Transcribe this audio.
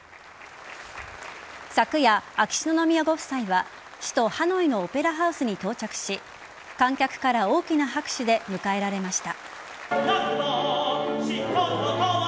昨夜、秋篠宮ご夫妻は首都・ハノイのオペラハウスに到着し観客から大きな拍手で迎えられました。